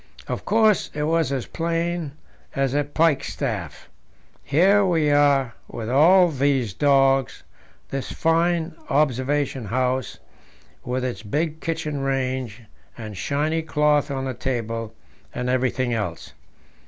"Of course, it was as plain as a pikestaff. Here we are with all these dogs, this fine 'observation house,' with its big kitchen range and shiny cloth on the table, and everything else.